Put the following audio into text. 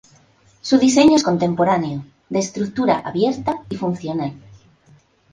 Su diseño es contemporáneo, de estructura abierta y funcional.